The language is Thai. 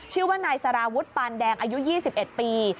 ชื่อว่านายสารวุฒิปานแดงอายุ๒๑ปี